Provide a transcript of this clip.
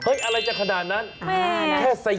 เฮ่ยอะไรจะขนาดนั้นเคย